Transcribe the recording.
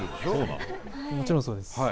もちろんそうです。